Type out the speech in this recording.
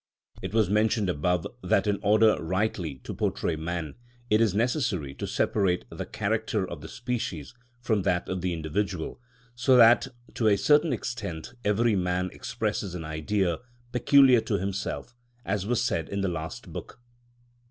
It was mentioned above that in order rightly to portray man, it is necessary to separate the character of the species from that of the individual, so that to a certain extent every man expresses an Idea peculiar to himself, as was said in the last book.